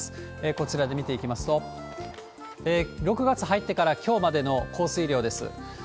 こちらで見ていきますと、６月入ってからきょうまでの降水量です。